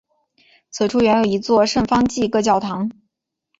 此处原有一座圣方济各教堂。